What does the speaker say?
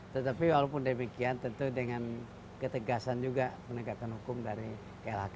tetapi walaupun demikian tentu dengan ketegasan juga penegakan hukum dari klhk